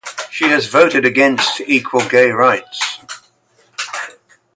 She has voted against equal gay rights.